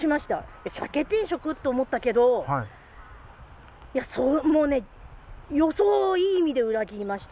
えっ、鮭定食？って思ったけど、もうね、予想をいい意味で裏切りました。